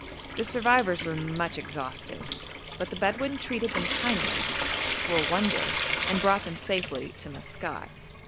The survivors were much exhausted, but the Bedouin treated them kindly, for a wonder, and brought them safely to Maskat.